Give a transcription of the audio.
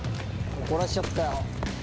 怒らしちゃったよ。